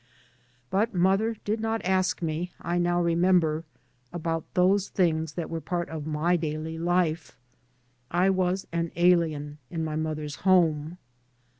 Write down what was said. But mother did not ask me, I now remember, about those things that were part of my daily life. I was an alien in my mother's home.